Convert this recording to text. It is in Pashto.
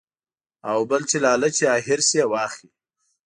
او بل چې لالچ يا حرص ئې واخلي -